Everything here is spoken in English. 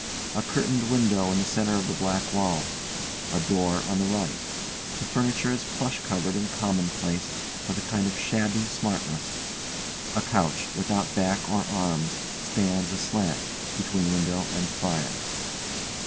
A curtained window in the centre of the back wall. A door on the right. The furniture is plush covered and commonplace, with a kind of shabby smartness. A couch, without back or arms, stands aslant, between window and fire.